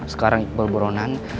sekarang iqbal boronan